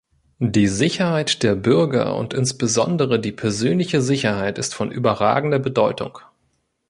Die Sicherheit der Bürger und insbesondere die persönliche Sicherheit ist von überragender Bedeutung.